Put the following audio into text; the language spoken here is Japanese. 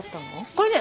これね